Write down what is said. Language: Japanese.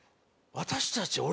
「私たち」